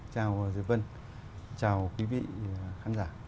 chào dưới vân chào quý vị khán giả